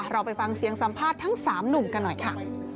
เราไปฟังเสียงสัมภาษณ์ทั้ง๓หนุ่มกันหน่อยค่ะ